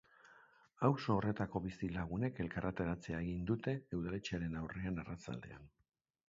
Auzo horretako bizilagunek elkarretaratzea egin dute udaletxearen aurrean, arratsaldean.